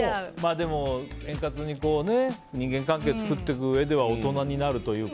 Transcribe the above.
でも円滑に人間関係を作っていくうえでは大人になるというか。